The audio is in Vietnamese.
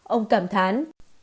ông cảm thán